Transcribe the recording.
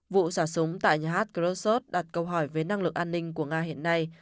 vụ xả súng tại nhà hát krosot đặt câu hỏi về năng lực an ninh của nga hiện nay